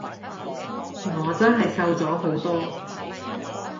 我真係瘦咗好多！